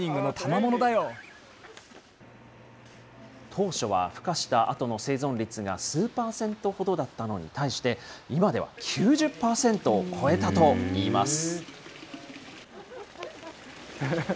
当初は、ふ化したあとの生存率が数％ほどだったのに対して、今では９０％を超えたといいます。